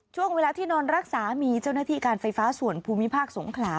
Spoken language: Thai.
ช่วงเวลาที่นอนรักษามีเจ้าหน้าที่การไฟฟ้าส่วนภูมิภาคสงขลา